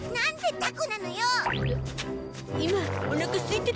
タコ！